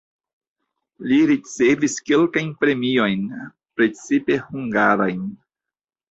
Li ricevis kelkajn premiojn (precipe hungarajn).